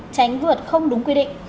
tránh vượt không đúng quy định